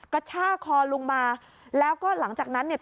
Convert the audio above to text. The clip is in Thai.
กระชากคอลุงมาแล้วก็หลังจากนั้นเนี่ย